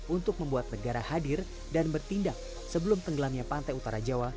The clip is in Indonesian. untuk membuat negara hadir dan bertindak sebelum tenggelamnya pantai utara jawa